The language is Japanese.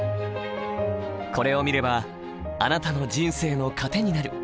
これを見ればあなたの人生の糧になる。